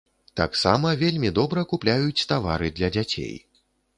Таксама вельмі добра купляюць тавары для дзяцей.